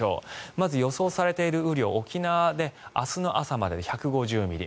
まず予想されている雨量沖縄で明日の朝までで１５０ミリ